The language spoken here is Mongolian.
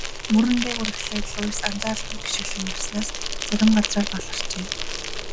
Мөрөн дээгүүр эхлээд Луис анзааралгүй гишгэлэн явснаас зарим газраар баларчээ.